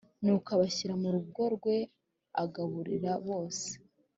Nuko abashyira mu rugo rwe agaburira bose